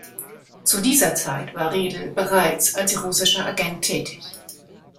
Zu dieser Zeit war Redl bereits als russischer Agent tätig.